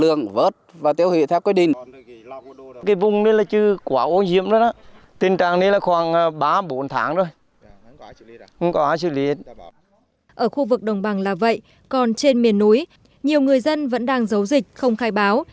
ở khu vực đồng bằng là vậy còn trên miền núi nhiều người dân vẫn đang giấu dịch không khai báo